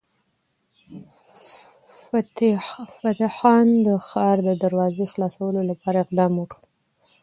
فتح خان د ښار د دروازې خلاصولو لپاره اقدام وکړ.